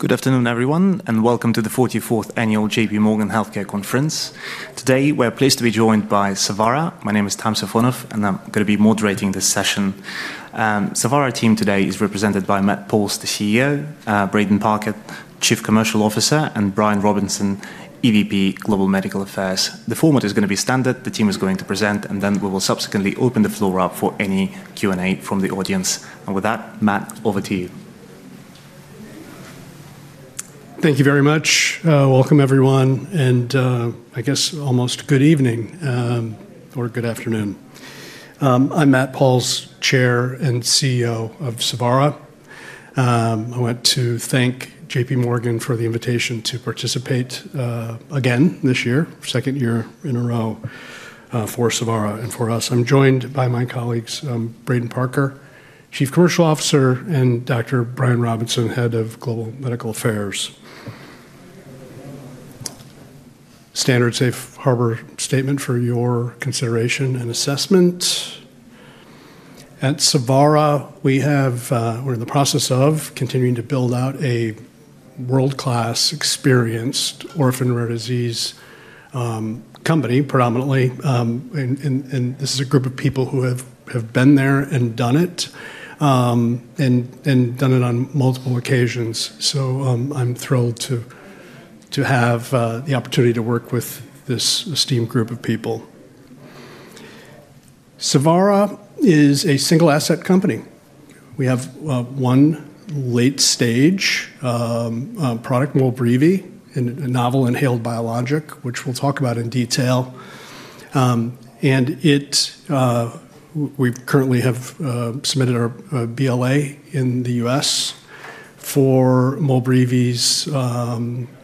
Good afternoon, everyone, and welcome to the 44th Annual J.P. Morgan Healthcare Conference. Today, we're pleased to be joined by Savara. My name is Tamsin Fonov, and I'm going to be moderating this session. Savara team today is represented by Matt Pauls, the CEO; Braden Parker, Chief Commercial Officer; and Brian Robinson, EVP Global Medical Affairs. The format is going to be standard. The team is going to present, and then we will subsequently open the floor up for any Q&A from the audience. And with that, Matt, over to you. Thank you very much. Welcome, everyone, and I guess almost good evening, or good afternoon. I'm Matt Pauls, Chair and CEO of Savara. I want to thank J.P. Morgan for the invitation to participate again this year, second year in a row for Savara and for us. I'm joined by my colleagues, Braden Parker, Chief Commercial Officer, and Dr. Brian Robinson, Head of Global Medical Affairs. Standard Safe Harbor statement for your consideration and assessment. At Savara, we have, we're in the process of continuing to build out a world-class, experienced orphan-rare disease company, predominantly. And this is a group of people who have been there and done it, and done it on multiple occasions. So I'm thrilled to have the opportunity to work with this esteemed group of people. Savara is a single-asset company. We have one late-stage product, MOLBREEVI, a novel inhaled biologic, which we'll talk about in detail. And we currently have submitted our BLA in the U.S. for MOLBREEVI's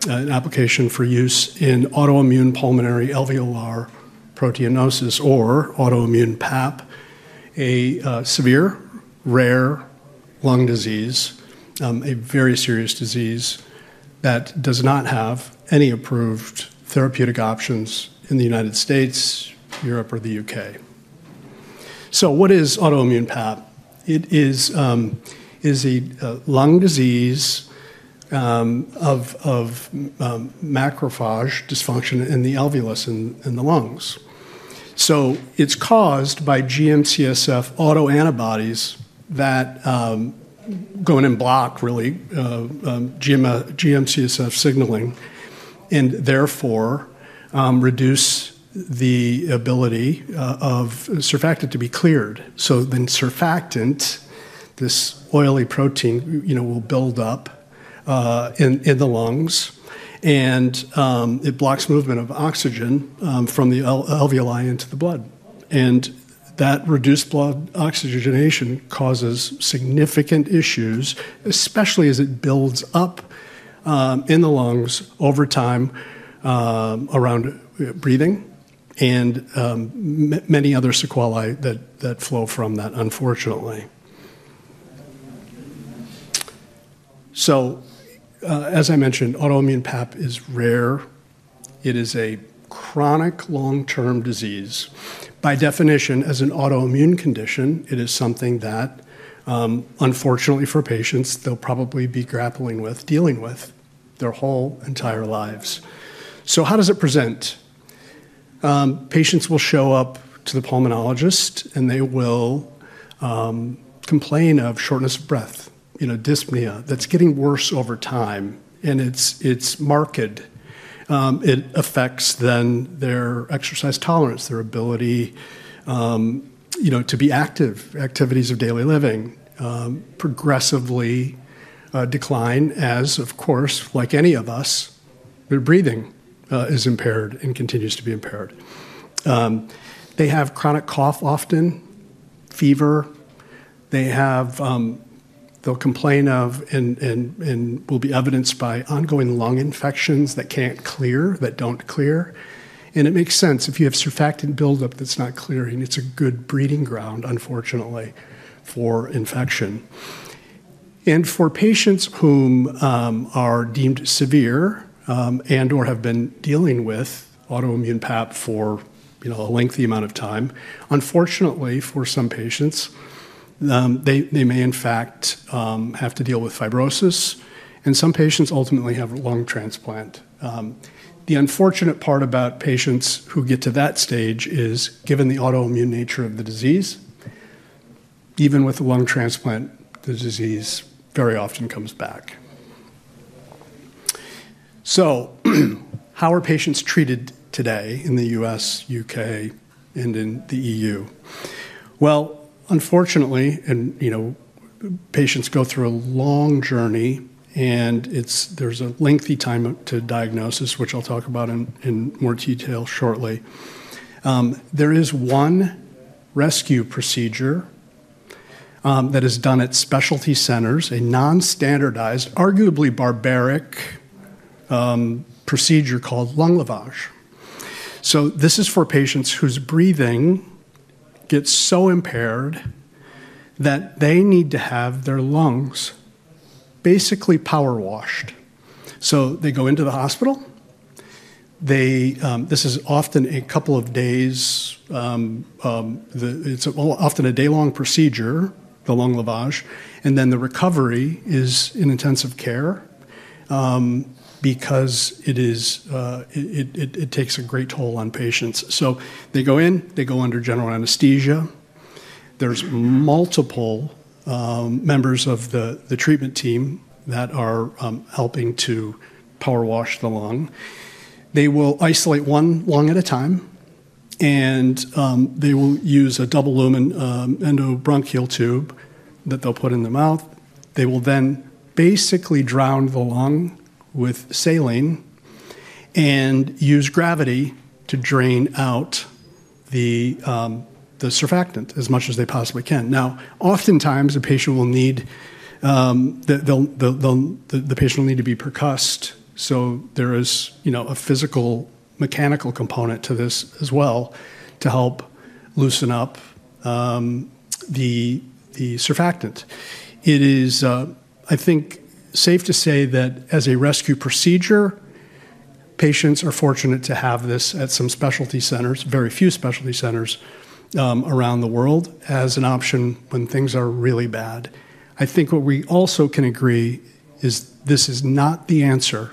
application for use in autoimmune pulmonary alveolar proteinosis, or autoimmune PAP, a severe, rare lung disease, a very serious disease that does not have any approved therapeutic options in the United States, Europe, or the U.K. So what is autoimmune PAP? It is a lung disease of macrophage dysfunction in the alveolus in the lungs. So it's caused by GM-CSF autoantibodies that go in and block, really, GM-CSF signaling, and therefore reduce the ability of surfactant to be cleared. So then surfactant, this oily protein, will build up in the lungs, and it blocks movement of oxygen from the alveoli into the blood. And that reduced blood oxygenation causes significant issues, especially as it builds up in the lungs over time around breathing and many other sequelae that flow from that, unfortunately. As I mentioned, autoimmune PAP is rare. It is a chronic long-term disease. By definition, as an autoimmune condition, it is something that, unfortunately for patients, they'll probably be grappling with, dealing with their whole entire lives. How does it present? Patients will show up to the pulmonologist, and they will complain of shortness of breath, dyspnea that's getting worse over time. It's marked. It affects then their exercise tolerance, their ability to be active, activities of daily living progressively decline as, of course, like any of us, their breathing is impaired and continues to be impaired. They have chronic cough, often fever. They'll complain of, and will be evidenced by, ongoing lung infections that can't clear. It makes sense if you have surfactant buildup that's not clearing. It's a good breeding ground, unfortunately, for infection. And for patients who are deemed severe and/or have been dealing with autoimmune PAP for a lengthy amount of time, unfortunately, for some patients, they may, in fact, have to deal with fibrosis. And some patients ultimately have a lung transplant. The unfortunate part about patients who get to that stage is, given the autoimmune nature of the disease, even with a lung transplant, the disease very often comes back. So how are patients treated today in the U.S., U.K., and in the E.U.? Well, unfortunately, patients go through a long journey, and there's a lengthy time to diagnosis, which I'll talk about in more detail shortly. There is one rescue procedure that is done at specialty centers, a non-standardized, arguably barbaric procedure called lung lavage. So this is for patients whose breathing gets so impaired that they need to have their lungs basically power washed. So they go into the hospital. This is often a couple of days. It's often a day-long procedure, the lung lavage. And then the recovery is in intensive care because it takes a great toll on patients. So they go in, they go under general anesthesia. There's multiple members of the treatment team that are helping to power wash the lung. They will isolate one lung at a time, and they will use a double lumen endobronchial tube that they'll put in the mouth. They will then basically drown the lung with saline and use gravity to drain out the surfactant as much as they possibly can. Now, oftentimes, a patient will need to be percussed. So there is a physical mechanical component to this as well to help loosen up the surfactant. It is, I think, safe to say that as a rescue procedure, patients are fortunate to have this at some specialty centers, very few specialty centers around the world, as an option when things are really bad. I think what we also can agree is this is not the answer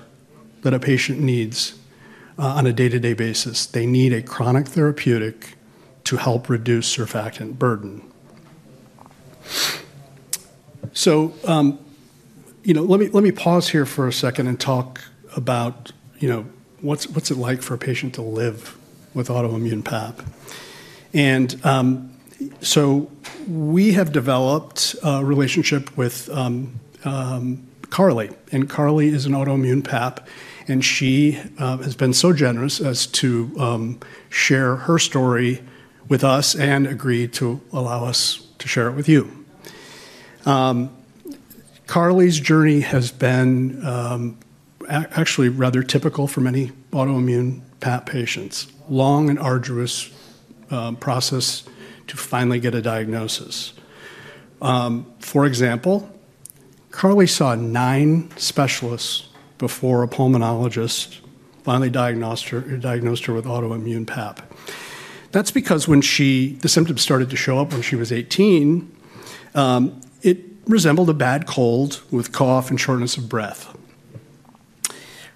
that a patient needs on a day-to-day basis. They need a chronic therapeutic to help reduce surfactant burden, so let me pause here for a second and talk about what's it like for a patient to live with autoimmune PAP, and so we have developed a relationship with Carly, and Carly is an autoimmune PAP, and she has been so generous as to share her story with us and agree to allow us to share it with you. Carly's journey has been actually rather typical for many autoimmune PAP patients, long and arduous process to finally get a diagnosis. For example, Carly saw nine specialists before a pulmonologist finally diagnosed her with autoimmune PAP. That's because when she, the symptoms started to show up when she was 18, it resembled a bad cold with cough and shortness of breath.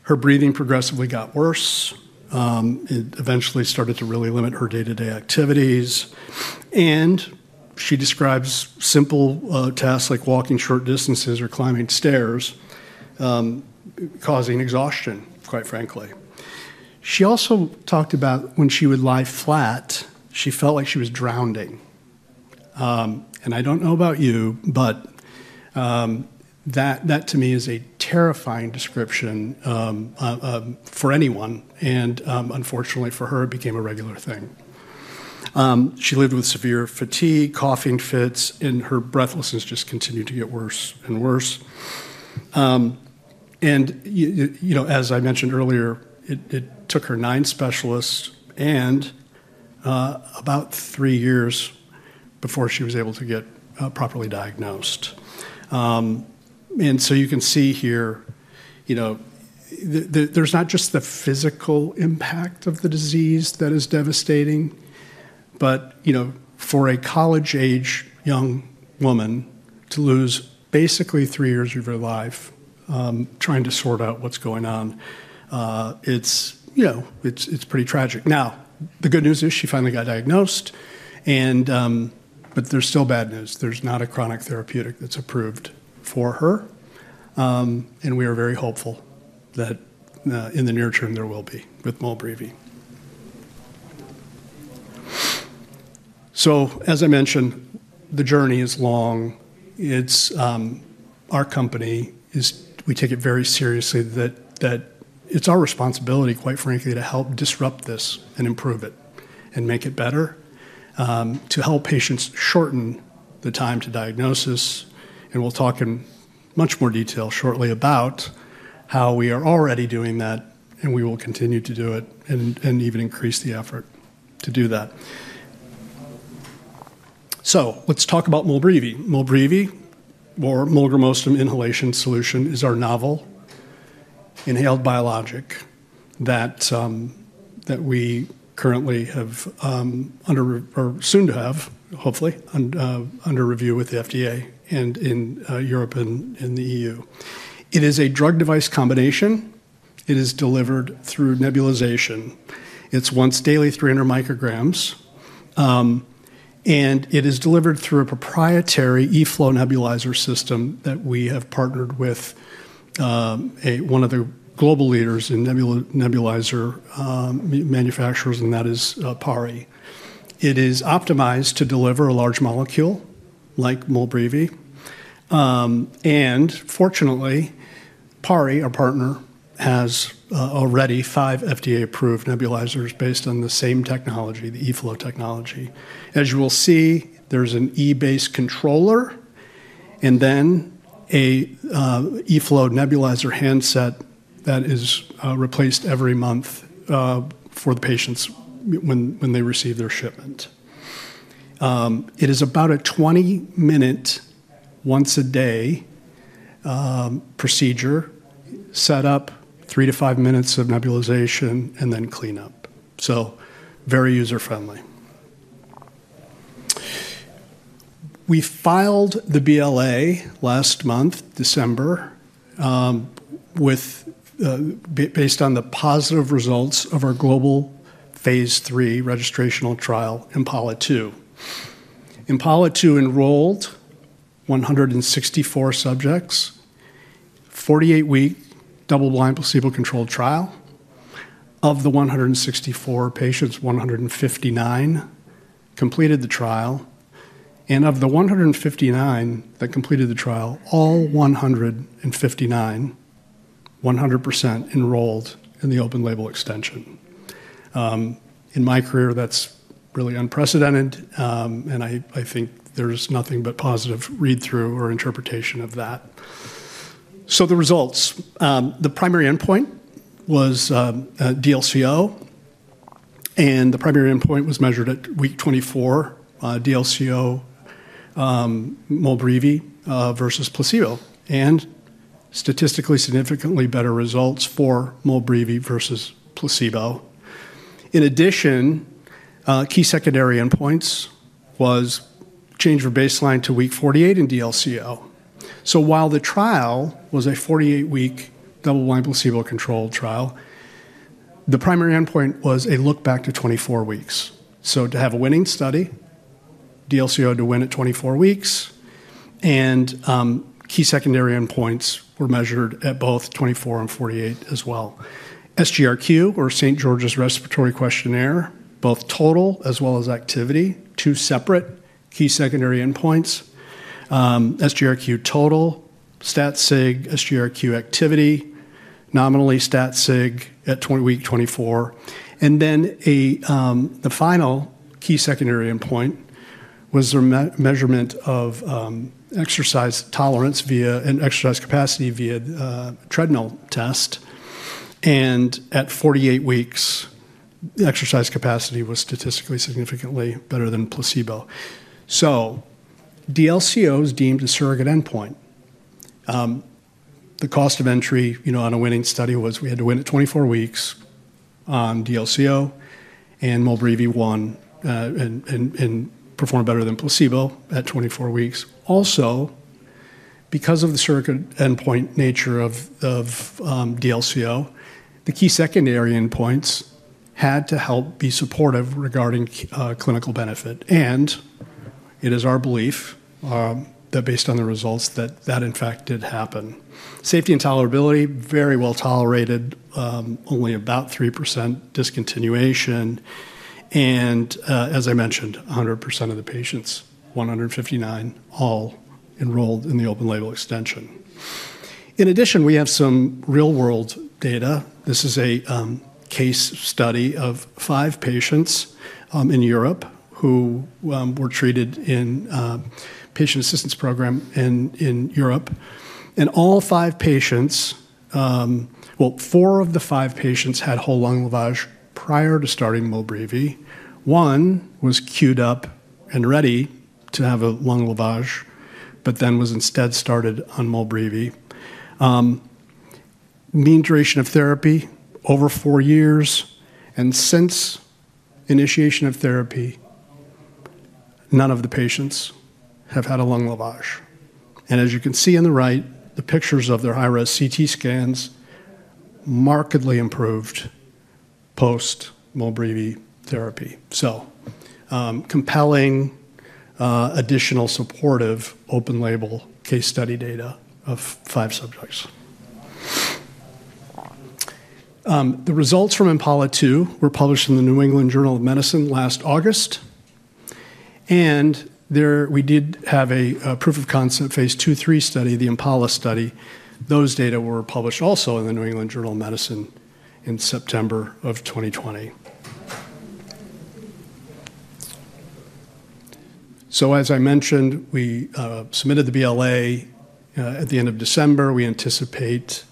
Her breathing progressively got worse. It eventually started to really limit her day-to-day activities. And she describes simple tasks like walking short distances or climbing stairs causing exhaustion, quite frankly. She also talked about when she would lie flat, she felt like she was drowning. And I don't know about you, but that, to me, is a terrifying description for anyone. And unfortunately, for her, it became a regular thing. She lived with severe fatigue, coughing fits, and her breathlessness just continued to get worse and worse. And as I mentioned earlier, it took her nine specialists and about three years before she was able to get properly diagnosed. And so you can see here, there's not just the physical impact of the disease that is devastating, but for a college-age young woman to lose basically three years of her life trying to sort out what's going on, it's pretty tragic. Now, the good news is she finally got diagnosed. But there's still bad news. There's not a chronic therapeutic that's approved for her. And we are very hopeful that in the near term there will be with MOLBREEVI. So, as I mentioned, the journey is long. Our company, we take it very seriously that it's our responsibility, quite frankly, to help disrupt this and improve it and make it better, to help patients shorten the time to diagnosis. And we'll talk in much more detail shortly about how we are already doing that, and we will continue to do it and even increase the effort to do that. Let's talk about MOLBREEVI. MOLBREEVI, or molgramostim inhalation solution, is our novel inhaled biologic that we currently have under—or soon to have, hopefully, under review with the FDA and in Europe and in the EU. It is a drug-device combination. It is delivered through nebulization. It's once daily, 300 micrograms. And it is delivered through a proprietary eFlow nebulizer system that we have partnered with one of the global leaders in nebulizer manufacturers, and that is PARI. It is optimized to deliver a large molecule like MOLBREEVI. And fortunately, PARI, our partner, has already five FDA-approved nebulizers based on the same technology, the eFlow technology. As you will see, there's an eFlow-based controller and then an eFlow nebulizer handset that is replaced every month for the patients when they receive their shipment. It is about a 20-minute once-a-day procedure, set up, three to five minutes of nebulization, and then clean up. Very user-friendly. We filed the BLA last month, December, based on the positive results of our global phase III registrational trial, IMPALA-2. In IMPALA-2, enrolled 164 subjects, 48-week double-blind placebo-controlled trial. Of the 164 patients, 159 completed the trial. Of the 159 that completed the trial, all 159, 100% enrolled in the open-label extension. In my career, that's really unprecedented, and I think there's nothing but positive read-through or interpretation of that. The results. The primary endpoint was DLCO, and the primary endpoint was measured at week 24, DLCO, MOLBREEVI versus placebo. Statistically, significantly better results for MOLBREEVI versus placebo. In addition, key secondary endpoints was change of baseline to week 48 in DLCO. So while the trial was a 48-week double-blind placebo-controlled trial, the primary endpoint was a look back to 24 weeks. So to have a winning study, DLCO had to win at 24 weeks. And key secondary endpoints were measured at both 24 and 48 as well. SGRQ, or St. George's Respiratory Questionnaire, both total as well as activity, two separate key secondary endpoints. SGRQ total, stat sig, SGRQ activity, nominally stat sig at week 24. And then the final key secondary endpoint was their measurement of exercise tolerance and exercise capacity via treadmill test. And at 48 weeks, the exercise capacity was statistically significantly better than placebo. So DLCO is deemed a surrogate endpoint. The cost of entry on a winning study was we had to win at 24 weeks on DLCO, and MOLBREEVI won and performed better than placebo at 24 weeks. Also, because of the surrogate endpoint nature of DLCO, the key secondary endpoints had to help be supportive regarding clinical benefit. And it is our belief that based on the results, that that, in fact, did happen. Safety and tolerability, very well tolerated, only about 3% discontinuation. And as I mentioned, 100% of the patients, 159, all enrolled in the open-label extension. In addition, we have some real-world data. This is a case study of five patients in Europe who were treated in a patient assistance program in Europe. And all five patients, well, four of the five patients had whole lung lavage prior to starting MOLBREEVI. One was queued up and ready to have a lung lavage, but then was instead started on MOLBREEVI. Mean duration of therapy, over four years. And since initiation of therapy, none of the patients have had a lung lavage. And as you can see on the right, the pictures of their high-res CT scans markedly improved post-MOLBREEVI therapy. So compelling additional supportive open-label case study data of five subjects. The results from IMPALA-2 were published in the New England Journal of Medicine last August. And we did have a proof of concept phase II-III study, the IMPALA study. Those data were published also in the New England Journal of Medicine in September of 2020. So as I mentioned, we submitted the BLA at the end of December. We anticipate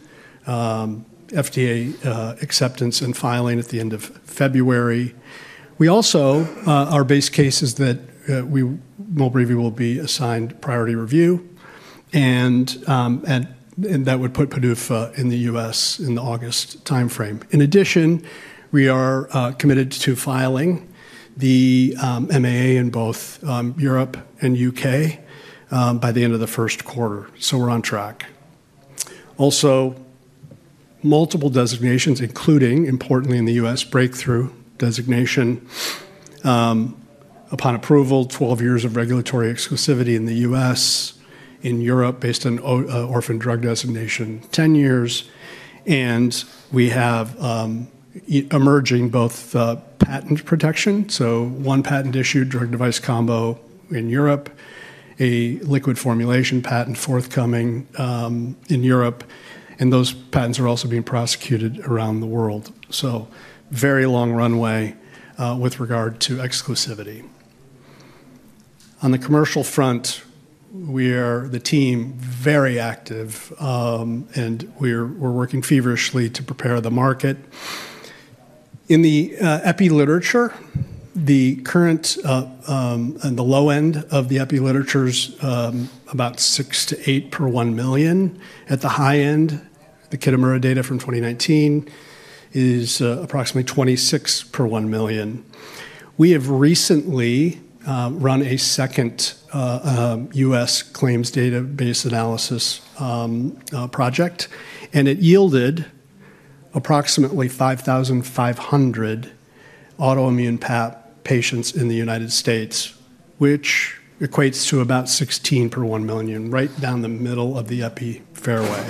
FDA acceptance and filing at the end of February. We also, our base case is that MOLBREEVI will be assigned priority review. And that would put PDUFA in the U.S. in the August timeframe. In addition, we are committed to filing the MAA in both Europe and the U.K. by the end of the first quarter. So we're on track. Also, multiple designations, including importantly in the U.S., breakthrough designation. Upon approval, 12 years of regulatory exclusivity in the U.S. In Europe, based on orphan drug designation, 10 years. And we have emerging both patent protection. So one patent issued drug-device combo in Europe, a liquid formulation patent forthcoming in Europe. And those patents are also being prosecuted around the world. So very long runway with regard to exclusivity. On the commercial front, we are the team very active, and we're working feverishly to prepare the market. In the epi literature, the current and the low end of the epi literature is about six to eight per one million. At the high end, the Kitamura data from 2019 is approximately twenty-six per one million. We have recently run a second U.S. claims database analysis project, and it yielded approximately 5,500 autoimmune PAP patients in the United States, which equates to about 16 per one million, right down the middle of the epi fairway.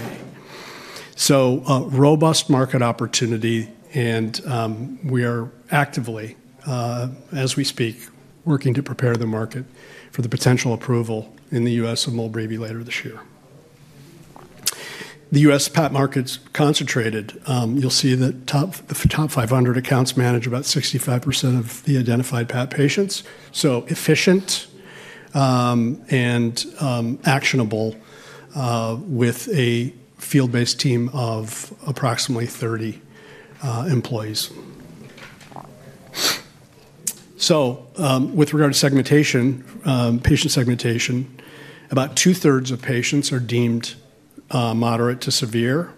So robust market opportunity, and we are actively, as we speak, working to prepare the market for the potential approval in the U.S. of MOLBREEVI later this year. The U.S. PAP market's concentrated. You'll see that the top 500 accounts manage about 65% of the identified PAP patients. So efficient and actionable with a field-based team of approximately 30 employees. So with regard to segmentation, patient segmentation, about two-thirds of patients are deemed moderate to severe,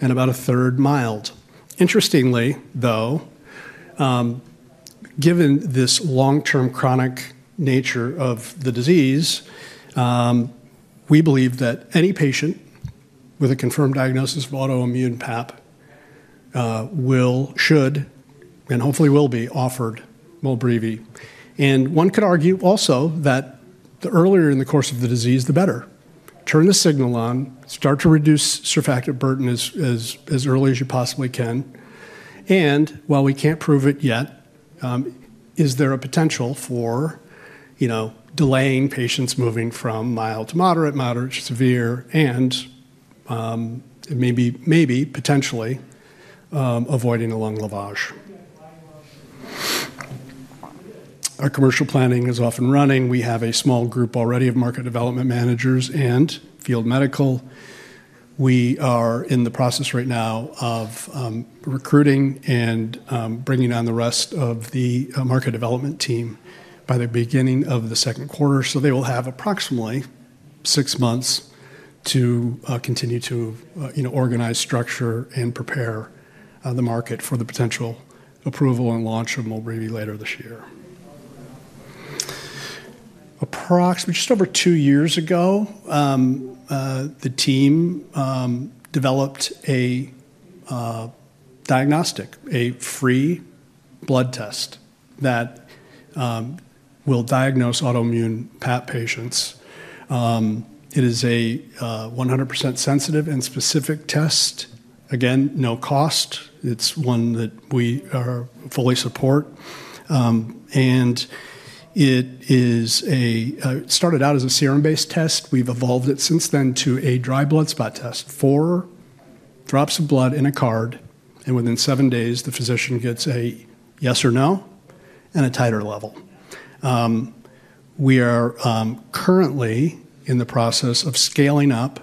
and about a third mild. Interestingly, though, given this long-term chronic nature of the disease, we believe that any patient with a confirmed diagnosis of autoimmune PAP will, should, and hopefully will be offered MOLBREEVI. And one could argue also that the earlier in the course of the disease, the better. Turn the signal on, start to reduce surfactant burden as early as you possibly can. And while we can't prove it yet, is there a potential for delaying patients moving from mild to moderate, moderate to severe, and maybe potentially avoiding a lung lavage? Our commercial planning is off and running. We have a small group already of market development managers and field medical. We are in the process right now of recruiting and bringing on the rest of the market development team by the beginning of the second quarter. So they will have approximately six months to continue to organize structure and prepare the market for the potential approval and launch of MOLBREEVI later this year. Just over two years ago, the team developed a diagnostic, a free blood test that will diagnose autoimmune PAP patients. It is a 100% sensitive and specific test. Again, no cost. It's one that we fully support, and it started out as a serum-based test. We've evolved it since then to a dry blood spot test. Four drops of blood in a card, and within seven days, the physician gets a yes or no and a titer level. We are currently in the process of scaling up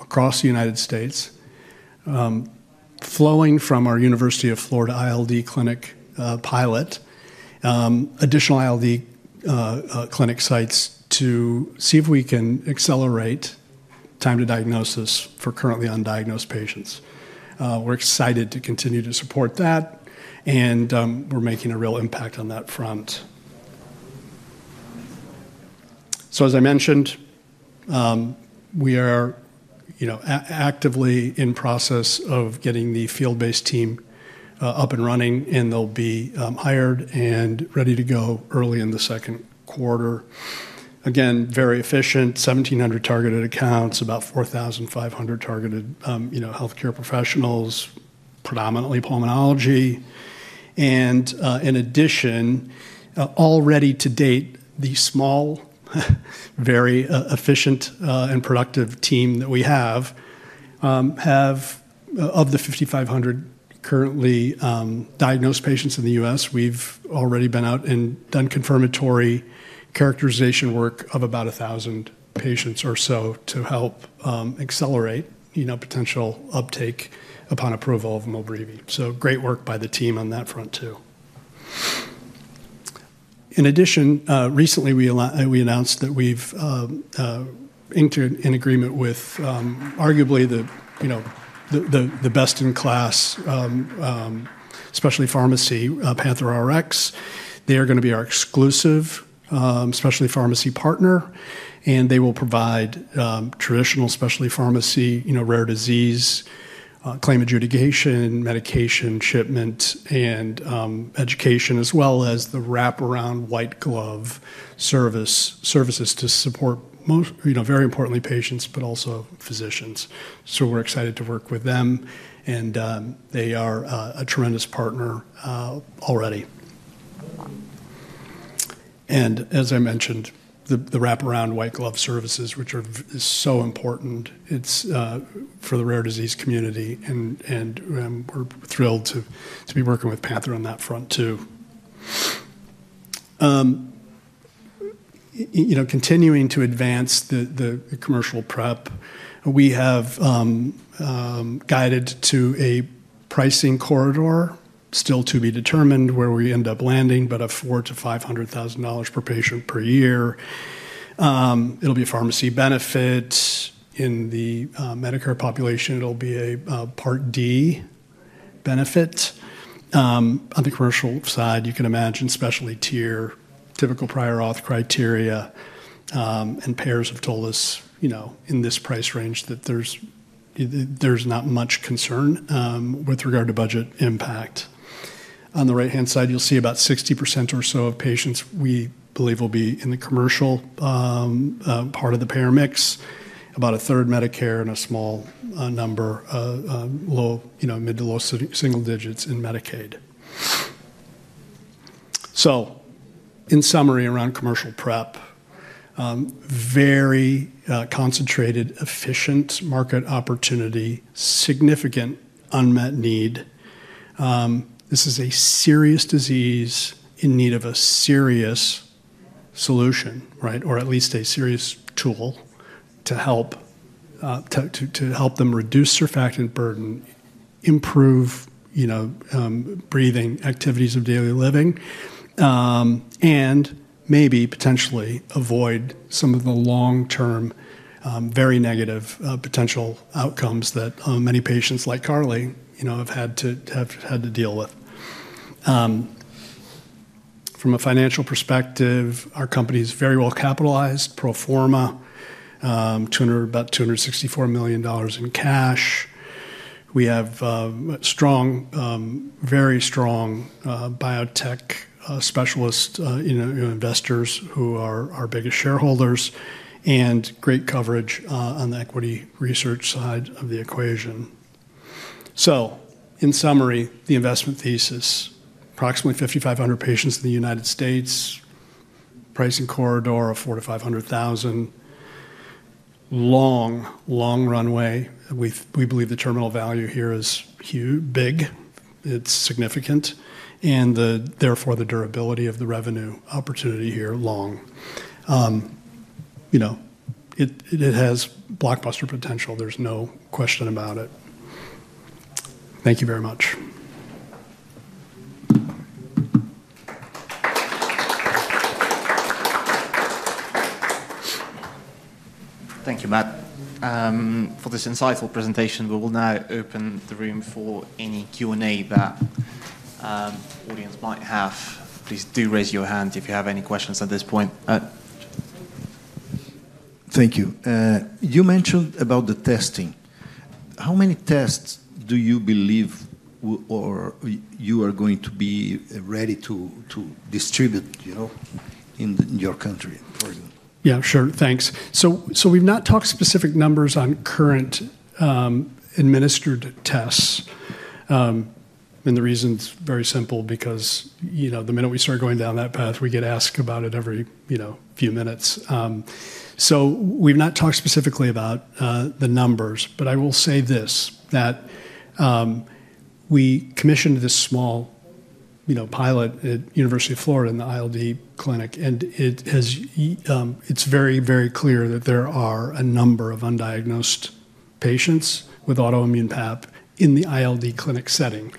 across the United States, flowing from our University of Florida ILD clinic pilot, additional ILD clinic sites to see if we can accelerate time to diagnosis for currently undiagnosed patients. We're excited to continue to support that, and we're making a real impact on that front. So as I mentioned, we are actively in the process of getting the field-based team up and running, and they'll be hired and ready to go early in the second quarter. Again, very efficient, 1,700 targeted accounts, about 4,500 targeted healthcare professionals, predominantly pulmonology. And in addition, already to date, the small, very efficient and productive team that we have, of the 5,500 currently diagnosed patients in the U.S., we've already been out and done confirmatory characterization work of about 1,000 patients or so to help accelerate potential uptake upon approval of MOLBREEVI. So great work by the team on that front too. In addition, recently, we announced that we've entered in agreement with arguably the best in class specialty pharmacy, PANTHERx. They are going to be our exclusive specialty pharmacy partner, and they will provide traditional specialty pharmacy, rare disease, claim adjudication, medication shipment, and education, as well as the wrap-around white glove services to support, very importantly, patients, but also physicians, so we're excited to work with them, and they are a tremendous partner already, and as I mentioned, the wrap-around white glove services, which are so important for the rare disease community, and we're thrilled to be working with PANTHERx on that front too. Continuing to advance the commercial prep, we have guided to a pricing corridor, still to be determined where we end up landing, but of $400,000-$500,000 per patient per year. It'll be a pharmacy benefit. In the Medicare population, it'll be a Part D benefit. On the commercial side, you can imagine specialty tier, typical prior auth criteria, and payers have told us in this price range that there's not much concern with regard to budget impact. On the right-hand side, you'll see about 60% or so of patients we believe will be in the commercial part of the payer mix, about a third Medicare and a small number of low, mid to low single digits in Medicaid. So in summary, around commercial prep, very concentrated, efficient market opportunity, significant unmet need. This is a serious disease in need of a serious solution, right? Or at least a serious tool to help them reduce surfactant burden, improve breathing, activities of daily living, and maybe potentially avoid some of the long-term, very negative potential outcomes that many patients like Carly have had to deal with. From a financial perspective, our company is very well capitalized, pro forma, about $264 million in cash. We have very strong biotech specialist investors who are our biggest shareholders and great coverage on the equity research side of the equation. So in summary, the investment thesis, approximately 5,500 patients in the United States, pricing corridor of $400,000-$500,000, long, long runway. We believe the terminal value here is big. It's significant. And therefore, the durability of the revenue opportunity here, long. It has blockbuster potential. There's no question about it. Thank you very much. Thank you, Matt. For this insightful presentation, we will now open the room for any Q&A that the audience might have. Please do raise your hand if you have any questions at this point. Thank you. You mentioned about the testing. How many tests do you believe you are going to be ready to distribute in your country? Yeah, sure. Thanks. So we've not talked specific numbers on current administered tests. And the reason's very simple because the minute we start going down that path, we get asked about it every few minutes. So we've not talked specifically about the numbers, but I will say this: that we commissioned this small pilot at University of Florida in the ILD clinic, and it's very, very clear that there are a number of undiagnosed patients with autoimmune PAP in the ILD clinic setting.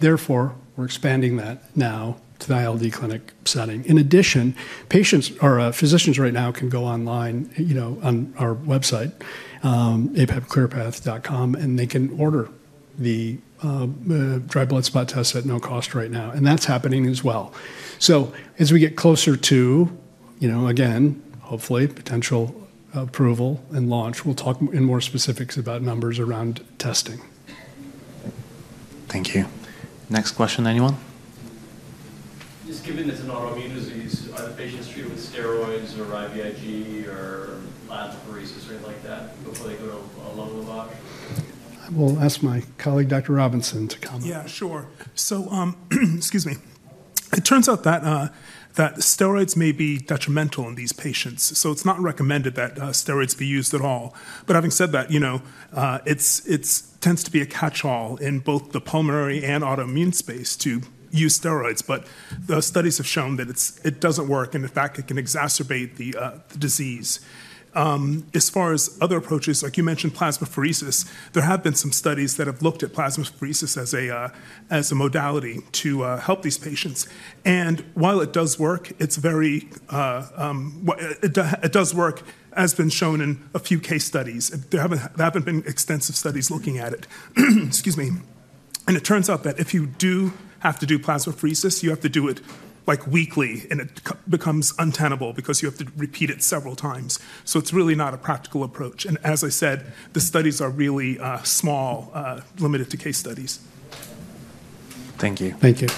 Therefore, we're expanding that now to the ILD clinic setting. In addition, physicians right now can go online on our website, apapclearpath.com, and they can order the dry blood spot test at no cost right now. And that's happening as well. So as we get closer to, again, hopefully, potential approval and launch, we'll talk in more specifics about numbers around testing. Thank you. Next question, anyone? Just given it's an autoimmune disease, are the patients treated with steroids or IVIG or lansoprazole or anything like that before they go to a lung lavage? I will ask my colleague, Dr. Robinson, to comment. Yeah, sure. So excuse me. It turns out that steroids may be detrimental in these patients. So it's not recommended that steroids be used at all. But having said that, it tends to be a catch-all in both the pulmonary and autoimmune space to use steroids. But the studies have shown that it doesn't work, and in fact, it can exacerbate the disease. As far as other approaches, like you mentioned plasmapheresis, there have been some studies that have looked at plasmapheresis as a modality to help these patients. And while it does work, it does work, as has been shown in a few case studies. There haven't been extensive studies looking at it. Excuse me. And it turns out that if you do have to do plasmapheresis, you have to do it weekly, and it becomes untenable because you have to repeat it several times. So it's really not a practical approach. And as I said, the studies are really small, limited to case studies. Thank you. Thank you.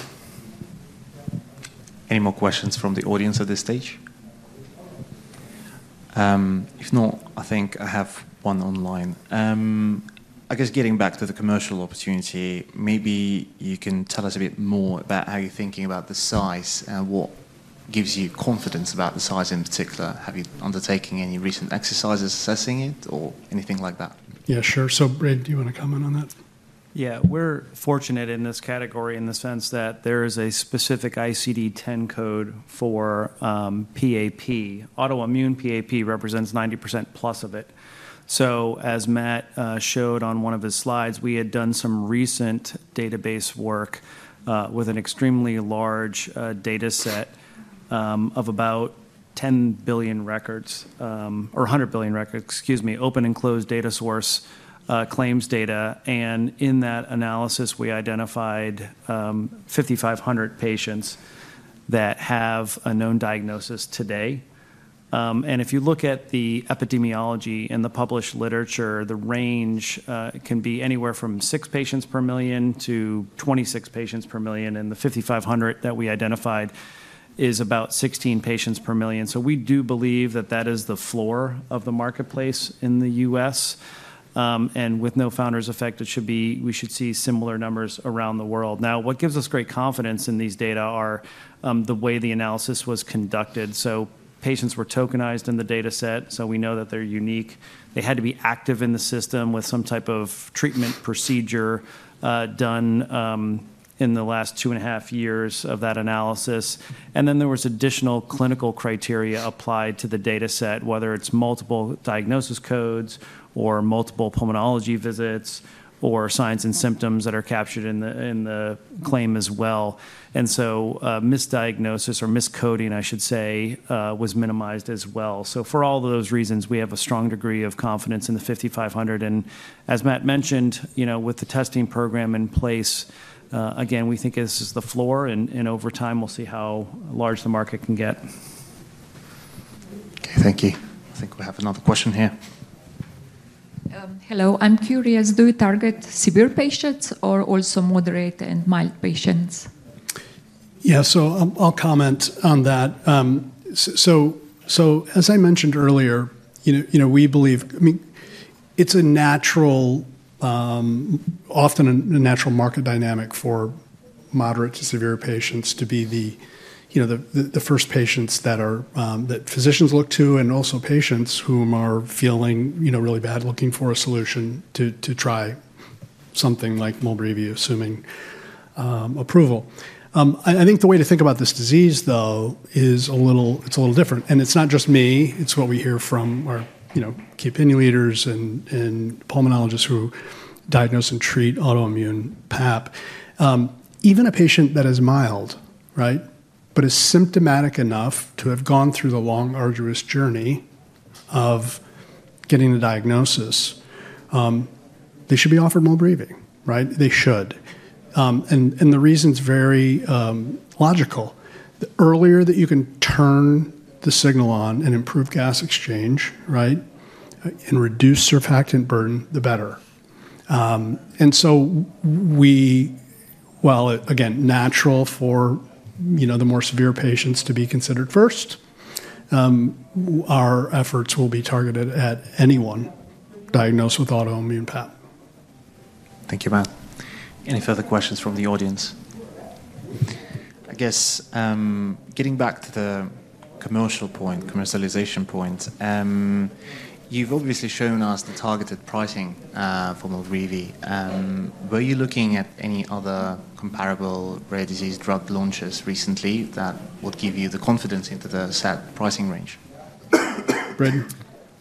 Any more questions from the audience at this stage? If not, I think I have one online. I guess getting back to the commercial opportunity, maybe you can tell us a bit more about how you're thinking about the size and what gives you confidence about the size in particular. Have you undertaken any recent exercises assessing it or anything like that? Yeah, sure. So Brad, do you want to comment on that? Yeah. We're fortunate in this category in the sense that there is a specific ICD-10 code for PAP. Autoimmune PAP represents 90% plus of it. So as Matt showed on one of his slides, we had done some recent database work with an extremely large dataset of about 10 billion records or 100 billion records, excuse me, open and closed data source claims data. And in that analysis, we identified 5,500 patients that have a known diagnosis today. And if you look at the epidemiology and the published literature, the range can be anywhere from six patients per million to 26 patients per million. And the 5,500 that we identified is about 16 patients per million. So we do believe that that is the floor of the marketplace in the U.S. And with no founder effect, we should see similar numbers around the world. Now, what gives us great confidence in these data are the way the analysis was conducted. Patients were tokenized in the dataset, so we know that they're unique. They had to be active in the system with some type of treatment procedure done in the last two and a half years of that analysis. Then there was additional clinical criteria applied to the dataset, whether it's multiple diagnosis codes or multiple pulmonology visits or signs and symptoms that are captured in the claim as well. Misdiagnosis or miscoding, I should say, was minimized as well. For all those reasons, we have a strong degree of confidence in the 5,500. As Matt mentioned, with the testing program in place, again, we think this is the floor, and over time, we'll see how large the market can get. Okay, thank you. I think we have another question here. Hello. I'm curious, do you target severe patients or also moderate and mild patients? Yeah, so I'll comment on that. So as I mentioned earlier, we believe it's often a natural market dynamic for moderate to severe patients to be the first patients that physicians look to and also patients who are feeling really bad looking for a solution to try something like MOLBREEVI, assuming approval. I think the way to think about this disease, though, is a little different. And it's not just me. It's what we hear from key opinion leaders and pulmonologists who diagnose and treat autoimmune PAP. Even a patient that is mild, right, but is symptomatic enough to have gone through the long, arduous journey of getting a diagnosis, they should be offered MOLBREEVI, right? They should. And the reason's very logical. The earlier that you can turn the signal on and improve gas exchange, right, and reduce surfactant burden, the better. And so we, while again, it's natural for the more severe patients to be considered first, our efforts will be targeted at anyone diagnosed with autoimmune PAP. Thank you, Matt. Any further questions from the audience? I guess getting back to the commercial point, commercialization point, you've obviously shown us the targeted pricing for MOLBREEVI. Were you looking at any other comparable rare disease drug launches recently that would give you the confidence into the set pricing range? Braden?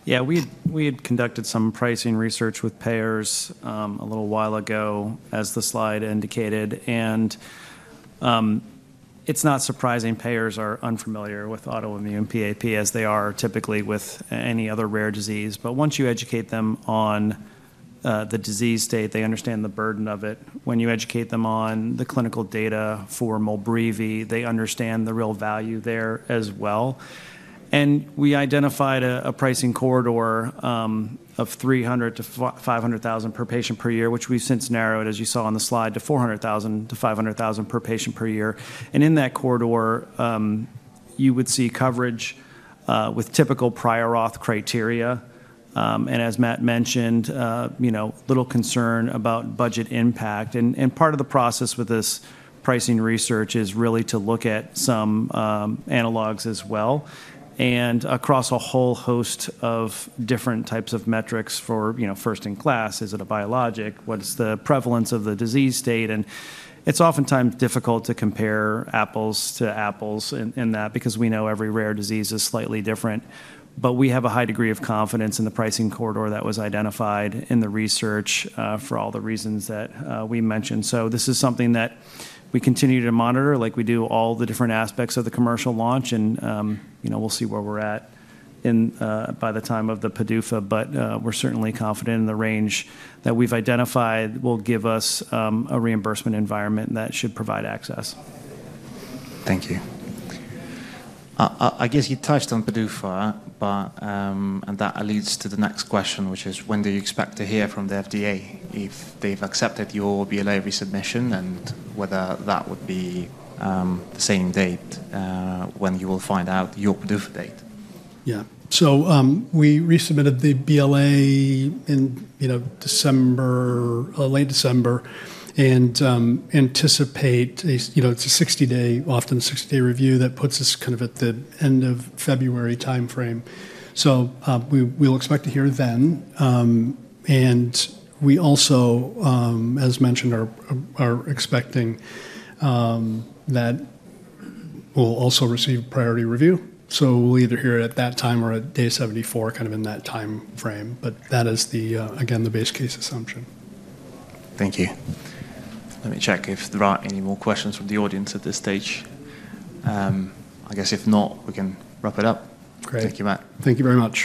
Yeah, we had conducted some pricing research with payers a little while ago, as the slide indicated, and it's not surprising payers are unfamiliar with autoimmune PAP as they are typically with any other rare disease, but once you educate them on the disease state, they understand the burden of it. When you educate them on the clinical data for MOLBREEVI, they understand the real value there as well, and we identified a pricing corridor of $300,000-$500,000 per patient per year, which we've since narrowed, as you saw on the slide, to $400,000-$500,000 per patient per year, and in that corridor, you would see coverage with typical prior auth criteria, and as Matt mentioned, little concern about budget impact. And part of the process with this pricing research is really to look at some analogs as well and across a whole host of different types of metrics for first-in-class. Is it a biologic? What's the prevalence of the disease state? And it's oftentimes difficult to compare apples to apples in that because we know every rare disease is slightly different. But we have a high degree of confidence in the pricing corridor that was identified in the research for all the reasons that we mentioned. So this is something that we continue to monitor like we do all the different aspects of the commercial launch. And we'll see where we're at by the time of the PDUFA. But we're certainly confident in the range that we've identified will give us a reimbursement environment that should provide access. Thank you. I guess you touched on PDUFA, and that leads to the next question, which is when do you expect to hear from the FDA if they've accepted your BLA resubmission and whether that would be the same date when you will find out your PDUFA date? Yeah. So we resubmitted the BLA in late December and anticipate it's a 60-day, often 60-day review that puts us kind of at the end of February timeframe. So we'll expect to hear then. And we also, as mentioned, are expecting that we'll also receive a priority review. So we'll either hear at that time or at day 74, kind of in that timeframe. But that is, again, the base case assumption. Thank you. Let me check if there are any more questions from the audience at this stage. I guess if not, we can wrap it up. Great. Thank you, Matt. Thank you very much.